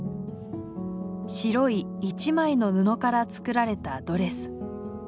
白い「一枚の布」から作られたドレス。